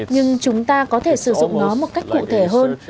nhưng chúng ta có thể sử dụng nó một cách cụ thể hơn